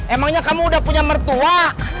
emangnya kamu udah punya mertua